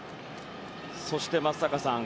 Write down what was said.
そして、松坂さん。